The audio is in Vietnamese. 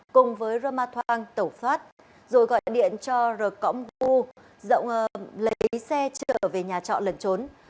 cùng với raman thong tẩu thoát rồi gọi điện cho r kom gu dọng lấy xe trở về nhà trọ lần trốn